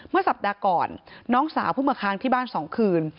เมื่อสัปดาห์ก่อนน้องสาวเพิ่งมาค้างที่บ้าน๒คืน